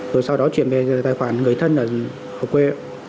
rồi sau đó chuyển về tài khoản người thân ở quê